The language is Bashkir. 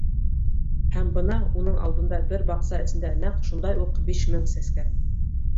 Һәм бына уның алдында бер баҡса эсендә нәҡ шундай уҡ биш мең сәскә!